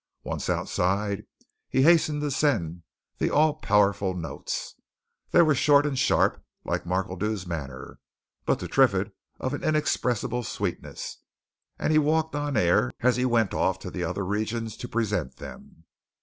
Once outside, he hastened to send the all powerful notes. They were short and sharp, like Markledew's manner, but to Triffitt of an inexpressible sweetness, and he walked on air as he went off to other regions to present them.